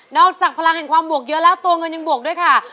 จากพลังแห่งความบวกเยอะแล้วตัวเงินยังบวกด้วยค่ะ